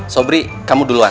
sobri kamu duluan